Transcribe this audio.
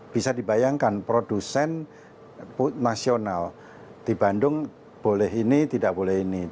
bisa dibayangkan produsen nasional di bandung boleh ini tidak boleh ini